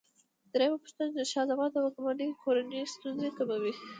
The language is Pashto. درېمه پوښتنه: د شاه زمان د واکمنۍ کورنۍ ستونزې کومې وې؟